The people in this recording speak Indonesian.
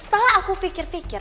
setelah aku pikir pikir